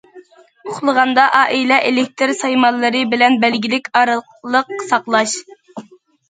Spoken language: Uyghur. ئۇخلىغاندا ئائىلە ئېلېكتىر سايمانلىرى بىلەن بەلگىلىك ئارىلىق ساقلاش.